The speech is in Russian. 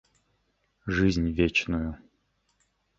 жизнь вечную.